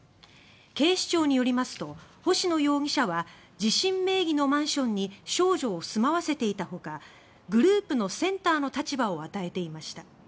警視庁によりますと星野容疑者は自身名義のマンションに少女を住まわせていたほかグループのセンターの立場を与えていました。